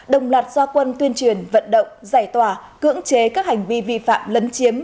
đồng lạt do quân tuyên truyền vận động giải tòa cưỡng chế các hành vi vi phạm lấn chiếm